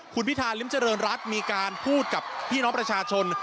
คุณพิธาริมเจริญรัฐมีการพูดกับพี่น้องประชาชน